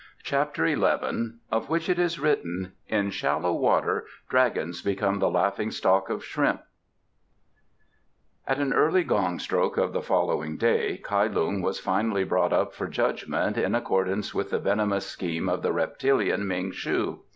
CHAPTER XI Of Which it is Written: "In Shallow Water Dragons become the Laughing stock of Shrimps" At an early gong stroke of the following day Kai Lung was finally brought up for judgment in accordance with the venomous scheme of the reptilian Ming shu.